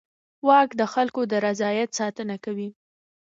واک د خلکو د رضایت ساتنه کوي.